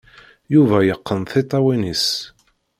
Yuba yeqqen tiṭṭawin-is.